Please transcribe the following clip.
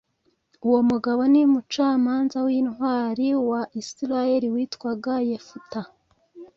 Uwo mugabo ni umucamanza w intwari wa Isirayeli witwaga Yefuta